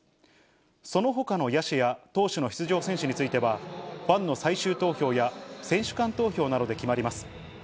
そのほかの野手や投手の出場選手については、ファンの最終投票や選手間投票などで決まります。